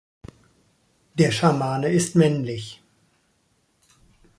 Der Schamane ist männlich.